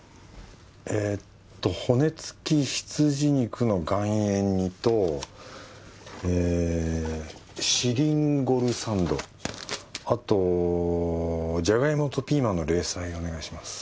えっと骨付羊肉の岩塩煮とえシリンゴルサンドあとジャガイモとピーマンの冷菜お願いします。